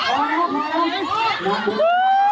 อะไรนะ